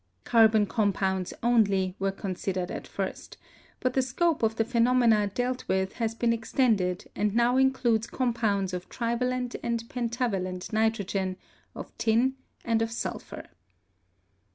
Carbon compounds only were considered at first, but the scope of the phenomena dealt with has been extended and now includes compounds of trivalent and pentavalent nitrogen, of tin, and of sulphur.